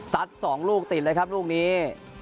สัดสองลูกติดเลยครับลูกนี้